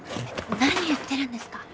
何言ってるんですか。